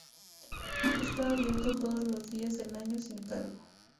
Está abierto todos los días del año sin cargo.